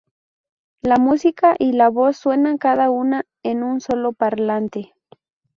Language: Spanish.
La música y la voz suenan cada una en un solo parlante.